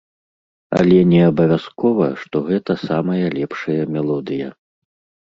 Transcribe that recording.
Але не абавязкова, што гэта самая лепшая мелодыя.